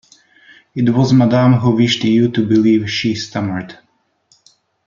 "It was madame who wished you to believe," she stammered.